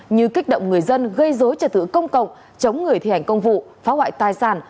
như kích động người dân gây dối trật tự công cộng chống người thi hành công vụ phá hoại tài sản